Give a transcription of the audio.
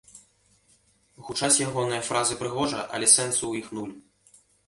Гучаць ягоныя фразы прыгожа, але сэнсу ў іх нуль.